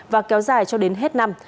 và kéo dài cho đến hết năm